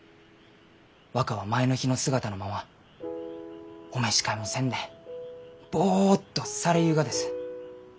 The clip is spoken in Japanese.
若は前の日の姿のままお召し替えもせんでぼっとされゆうがです。